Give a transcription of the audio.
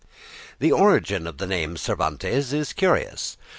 The origin of the name Cervantes is curious.